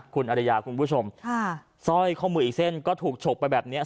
คุณอริยาคุณผู้ชมค่ะสร้อยข้อมืออีกเส้นก็ถูกฉกไปแบบเนี้ย